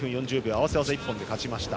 合わせ技一本で勝ちました。